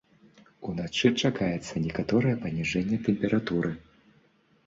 Уначы чакаецца некаторае паніжэнне тэмпературы.